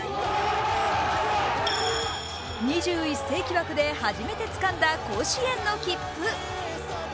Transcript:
２１世紀枠で初めてつかんだ甲子園の切符。